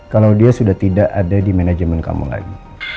kalau dia sudah tidak ada di manajemen kamu lagi